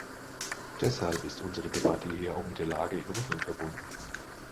Deshalb ist unsere Debatte hier auch mit der Lage in Russland verbunden.